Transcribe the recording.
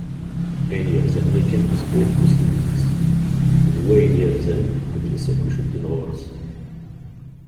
Ayen yerzan yakan tutlayt d uselmed-is, d wayen yerzan idles akk icudden ɣur-s.